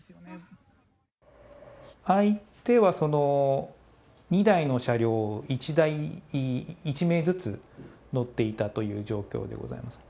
相手は２台の車両、１台１名ずつ乗っていたという状況でございます。